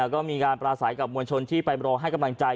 ก็มีการปราศัยกับมวลชนที่ไปรอให้กำลังใจ